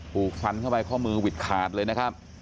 รูขึ้นเข้าไปข้อมือวิดคานต์เลยนะครับ